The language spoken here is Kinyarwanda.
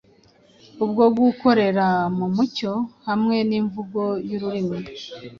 bwo gukorera mu mucyo, hamwe n '' imivugo y'ururimi '